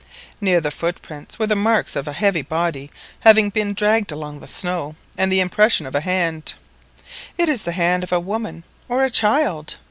Near the footprints there were marks of a heavy body having been dragged along the snow, and the impression of a hand. "It is the hand of a woman or a child!"